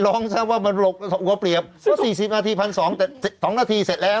ก็๔๐นาที๑๒๐๒ใน๒นาทีเสร็จแล้ว